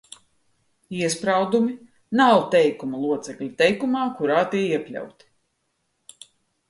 Iespraudumi nav teikuma locekļi teikumā, kurā tie iekļauti.